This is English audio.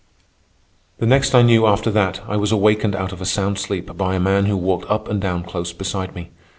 The next I knew after that I was awakened out of a sound sleep by a man who walked up and down close beside me.